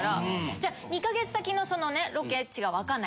じゃあ２か月先のそのロケ地がわかんない。